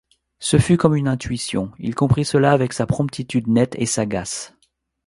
Ce fut comme une intuition ; il comprit cela avec sa promptitude nette et sagace.